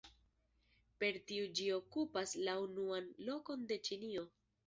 Per tio ĝi okupas la unuan lokon de Ĉinio.